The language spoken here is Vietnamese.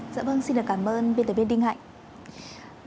dạ vâng xin được cảm ơn biên tập viên đinh hạnh